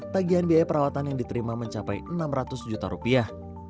tagihan biaya perawatan yang diterima mencapai enam ratus juta rupiah